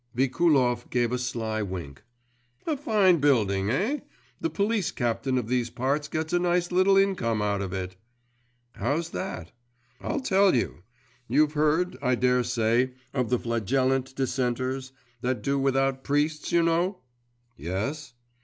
Vikulov gave a sly wink. 'A fine building, eh? The police captain of these parts gets a nice little income out of it!' 'How's that?' 'I'll tell you. You've heard, I daresay, of the Flagellant dissenters that do without priests, you know?' 'Yes.